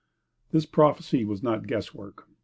|++ This prophecy was not guesswork.